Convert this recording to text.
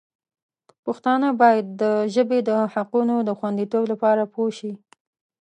پښتانه باید د ژبې د حقونو د خوندیتوب لپاره پوه شي.